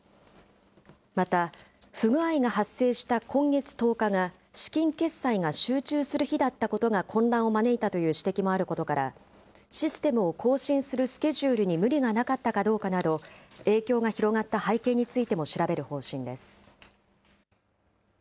また、不具合が発生した今月１０日が、資金決済が集中する日だったことが混乱を招いたという指摘もあることから、システムを更新するスケジュールに無理がなかったかどうかなど、影響が広がった背景についても調べる方針です。